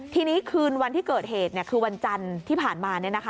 ทีนี้คืนวันที่เกิดเหตุคือวันจันทร์ที่ผ่านมา